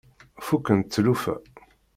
Fukkent tlufa.